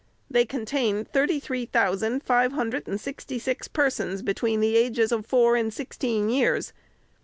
They contain thirty three thousand five hundred and sixty six persons between the ages of four and sixteen years.